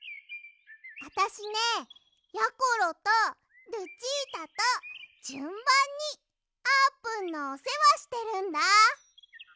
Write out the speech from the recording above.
あたしねやころとルチータとじゅんばんにあーぷんのおせわしてるんだ。